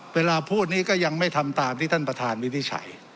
เวลาพูดนี้ก็ยังไม่ทำตามที่ท่านประธานวินิจฉัย